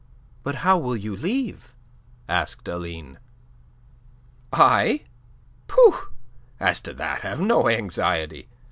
"But how will you leave?" asked Aline. "I? Pooh! As to that, have no anxiety.